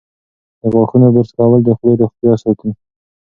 د غاښونو برس کول د خولې روغتیا ساتي.